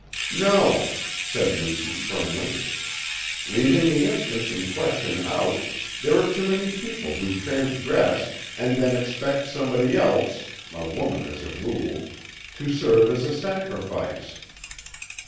"No," said Lucy firmly. "Leaving the instance in question out, there are too many people who transgress and then expect somebody else a woman as a rule to serve as a sacrifice."